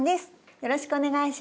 よろしくお願いします。